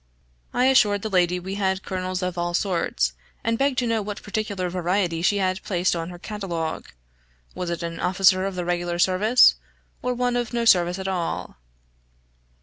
I assured the lady we had colonels of all sorts, and begged to know what particular variety she had placed on her catalogue was it an officer of the regular service, or one of no service at all?